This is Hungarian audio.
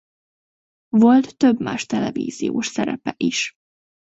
Volt több más televíziós szerepe is.